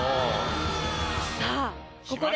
さぁここで。